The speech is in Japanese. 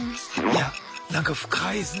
いやなんか深いですね